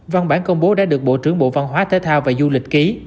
văn bản công bố đã được bộ trưởng bộ văn hóa thể thao và du lịch ký